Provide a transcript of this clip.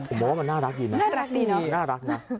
ผมบอกว่ามันน่ารักดีนะน่ารักดีนะ